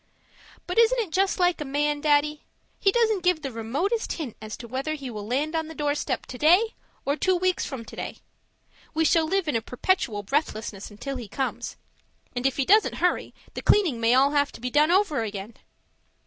But isn't it just like a man, Daddy? He doesn't give the remotest hint as to whether he will land on the doorstep today, or two weeks from today. We shall live in a perpetual breathlessness until he comes and if he doesn't hurry, the cleaning may all have to be done over again.